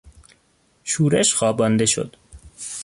شورش خوابانده شد.